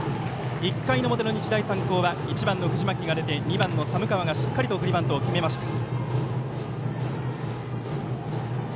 １回の表の日大三高は１番の藤巻が出て２番の寒川が、しっかりと送りバントを決めました。